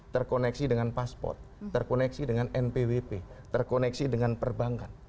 terkoneksi dengan pasport terkoneksi dengan npwp terkoneksi dengan perbankan